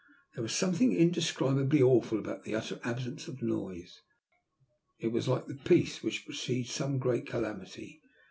There was something indescribably awful about the utter absence of noise. It was like the peace which precedes some great calamity.